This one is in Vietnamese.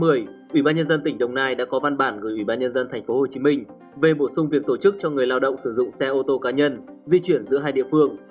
ubnd tỉnh đồng nai đã có văn bản gửi ubnd tp hcm về bổ sung việc tổ chức cho người lao động sử dụng xe ô tô cá nhân di chuyển giữa hai địa phương